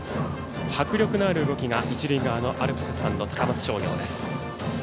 迫力のある動きが一塁側のアルプススタンド高松商業です。